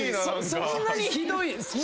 そんなにひどい。